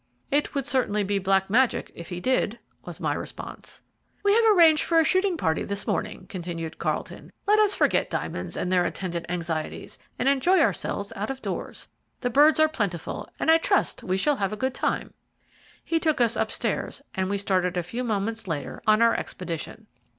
"It would certainly be black magic if he did," was my response. "We have arranged for a shooting party this morning," continued Carlton; "let us forget diamonds and their attendant anxieties, and enjoy ourselves out of doors. The birds are plentiful, and I trust we shall have a good time." He took us upstairs, and we started a few moments later on our expedition.